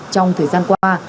trong thời gian qua